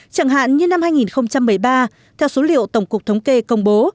chẳng hạn như năm hai nghìn một mươi ba theo số liệu tổng cục thống kê công bố